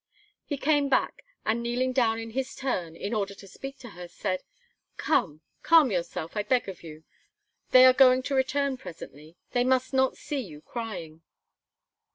He came back, and kneeling down in his turn, in order to speak to her, said: "Come, calm yourself, I beg of you. They are going to return presently. They must not see you crying."